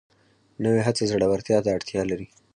نوې هڅه زړورتیا ته اړتیا لري